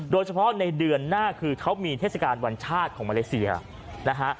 โดยเฉพาะในเดือนหน้าคือเขามีเทศกาลวันชาติของมาเลเซียนะฮะ